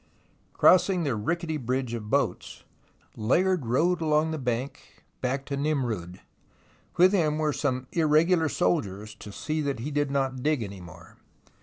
Crossing the rickety bridge of boats, Layard rode along the bank back to Nimroud. With him were some irregular soldiers, to see that he did not dig any more.